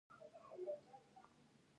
ایا تخفیف غواړئ؟